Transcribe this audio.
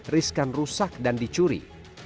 riskan rusak dan dicuri